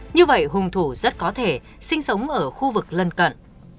như vậy hung thủ rất có thể sinh sống ở khu vực lân cận